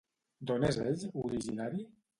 D'on és ell originari?